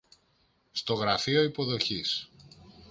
στο γραφείο υποδοχής